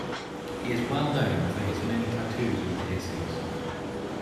He is well known for his many tattoos and piercings.